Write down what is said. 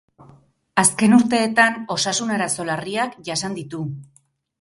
Azken urteetan osasun arazo larriak jasan ditu.